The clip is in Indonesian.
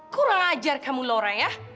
kurang ajar kamu laura ya